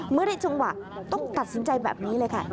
เมื่อได้จังหวะต้องตัดสินใจแบบนี้เลยค่ะ